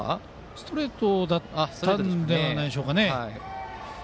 ストレートだったのではないでしょうか。